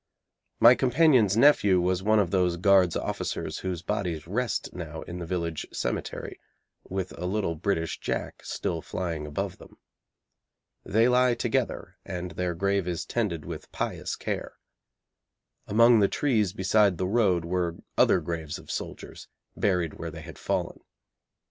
My companion's nephew was one of those Guards' officers whose bodies rest now in the village cemetery, with a little British Jack still flying above them. They lie together, and their grave is tended with pious care. Among the trees beside the road were other graves of soldiers, buried where they had fallen.